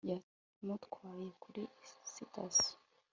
yamutwaye kuri sitasiyo